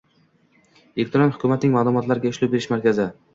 Elektron hukumatning ma’lumotlarga ishlov berish markazi